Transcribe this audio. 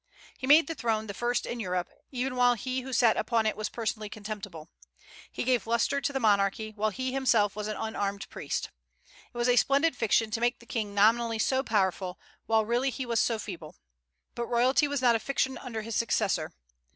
He made the throne the first in Europe, even while he who sat upon it was personally contemptible. He gave lustre to the monarchy, while he himself was an unarmed priest. It was a splendid fiction to make the King nominally so powerful, while really he was so feeble. But royalty was not a fiction under his successor.